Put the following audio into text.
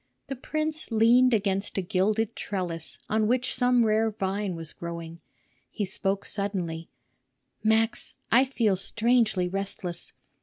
The prince leaned against a gilded trellis on which some rare vine was growing. He spoke suddenly: "Max, I feel strangely restless.